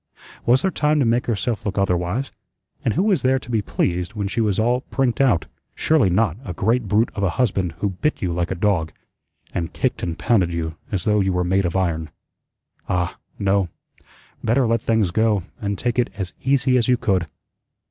Was there time to make herself look otherwise, and who was there to be pleased when she was all prinked out? Surely not a great brute of a husband who bit you like a dog, and kicked and pounded you as though you were made of iron. Ah, no, better let things go, and take it as easy as you could.